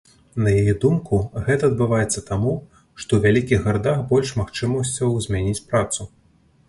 На яе думку, гэта адбываецца таму, што ў вялікіх гарадах больш магчымасцяў змяніць працу.